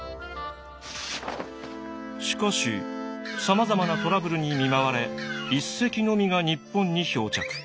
しかしさまざまなトラブルに見舞われ１隻のみが日本に漂着。